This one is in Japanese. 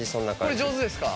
これ上手ですか？